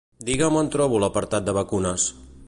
Digue'm on trobo l'apartat de vacunes.